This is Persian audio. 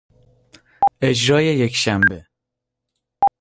اجرای یکشبه